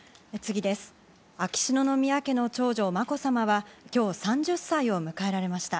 秋篠宮家の長女・まこさまは今日３０歳を迎えられました。